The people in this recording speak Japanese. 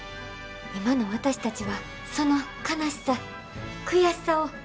今の私たちはその悲しさ悔しさをよく知っています。